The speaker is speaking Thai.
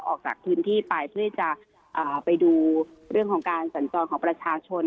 ออกจากพื้นที่ไปเพื่อจะไปดูเรื่องของการสัญจรของประชาชน